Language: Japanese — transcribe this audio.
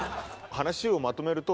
話をまとめると。